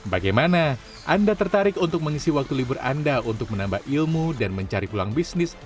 bagaimana anda tertarik untuk mengisi waktu libur anda untuk menambah ilmu dan mencari pulang bisnis